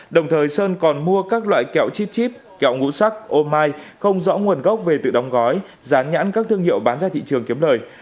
đồng thời sơn còn mua các loại kẹo chipchip kẹo ngũ sắc ô mai không rõ nguồn gốc về tự đóng gói gián nhãn các thương hiệu bán ra thị trường kiếm lời